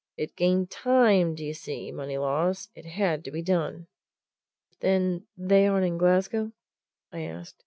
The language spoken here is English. It gained time, do you see, Moneylaws it had to be done." "Then they aren't in Glasgow?" I asked.